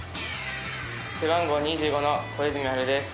背番号２５の小泉陽暖です。